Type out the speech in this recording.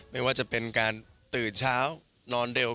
ไม่ว่าจะเป็นการตื่นเช้านอนเร็ว